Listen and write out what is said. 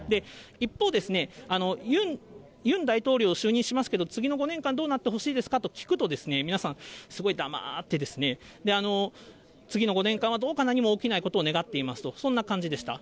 一方、ユン大統領就任しますけど、次の５年間どうなってほしいですかと聞くとですね、皆さん、すごい黙って、次の５年間はどうか何も起きないことを願っていますと、そんな感じでした。